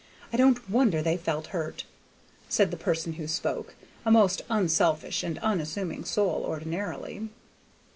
I don't wonder they felt hurt!" said the person who spoke; a most unselfish and unassuming soul, ordinarily.